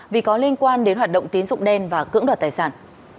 vì có liên quan đến hoạt động tín dụng đen và cưỡng đoạt tài sản